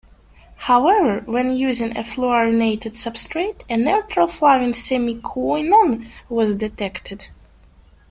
However, when using a fluorinated substrate, a neutral flavin semiquinone was detected.